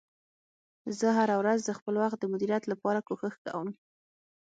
زه هره ورځ د خپل وخت د مدیریت لپاره کوښښ کوم